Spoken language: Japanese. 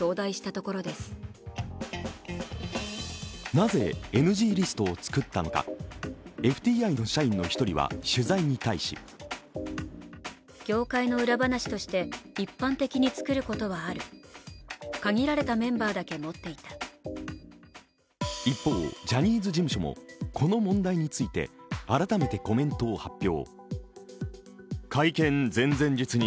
なぜ、ＮＧリストを作ったのか、ＦＴＩの社員の１人は取材に対し一方、ジャニーズ事務所もこの問題について改めてコメントを発表。